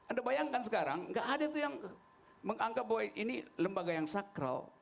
anda bayangkan sekarang nggak ada tuh yang menganggap bahwa ini lembaga yang sakral